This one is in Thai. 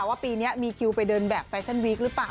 ว่าปีนี้มีคิวไปเดินแบบแฟชั่นวีคหรือเปล่า